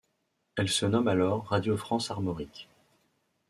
Elle se nomme alors Radio France Armorique.